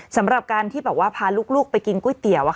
สำหรับการที่แบบว่าพาลูกไปกินก๋วยเตี๋ยว